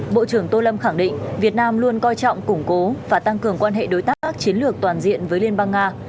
bộ trưởng tô lâm khẳng định việt nam luôn coi trọng củng cố và tăng cường quan hệ đối tác chiến lược toàn diện với liên bang nga